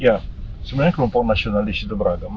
ya sebenarnya kelompok nasionalis itu beragam